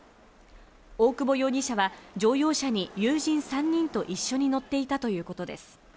大久保容疑者は乗用車に友人３人と一緒に乗っていたということです。